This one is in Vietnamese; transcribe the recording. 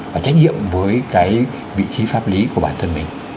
và trách nhiệm với cái vị trí pháp lý của bản thân mình